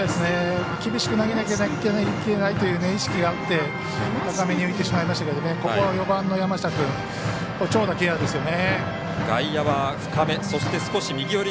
厳しく投げなきゃいけないという意識があって高めに浮いてしまいましたけどここは４番の山下君長打ケアですよね。